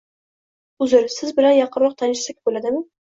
Uzr, siz bilan yaqinroq tanishsak bo`ladimi